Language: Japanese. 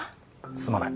すまない。